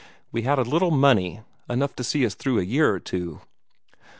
We had a little money enough to see us through a year or two.